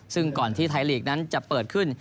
ซึ่งก่อนที่ไทยลีกนั้นจะเปิดขึ้น